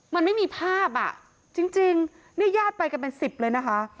มันไม่มีภาพอ่ะจริงเนี่ยญาติไปกันเป็นสิบเลยนะคะ